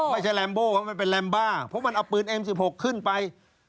แรมโบว่ามันเป็นแรมบ้าเพราะมันเอาปืนเอ็มสิบหกขึ้นไป